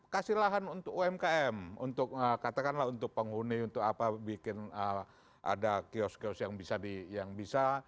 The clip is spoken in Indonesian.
kasih lahan untuk umkm untuk katakanlah untuk penghuni untuk apa bikin ada kios kios yang bisa